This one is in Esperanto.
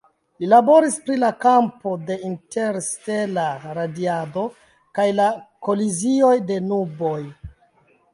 Li laboris pri la kampo de interstela radiado kaj la kolizioj de nuboj.